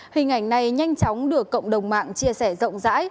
hình ảnh này nhanh chóng được cộng đồng mạng chia sẻ rộng rãi